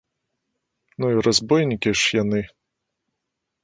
Ну і разбойнікі ж яны!